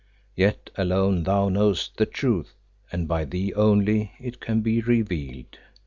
Yet alone thou knowest the truth, and by thee only it can be revealed."